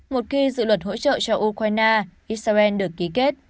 một khi dự luật hỗ trợ cho ukraine israel được ký kết